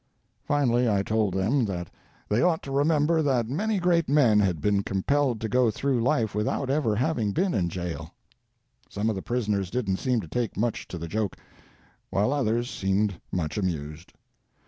Finally I told them that they ought to remember that many great men had been compelled to go through life without ever having been in a jail. Some of the prisoners didn't seem to take much to the joke, while others seemed much amused.